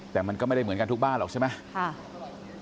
แต่มันก็ไม่ได้เหมือนกันทุกบ้านหรอกใช่ไหม